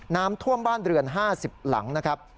น้ำท่วมบ้านเรือน๕๐หลังนะครับ